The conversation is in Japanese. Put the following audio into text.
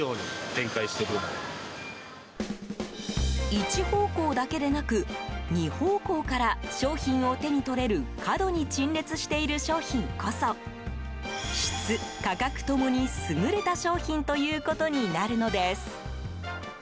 １方向だけでなく２方向から商品を手に取れる角に陳列している商品こそ質、価格ともに優れた商品ということになるのです。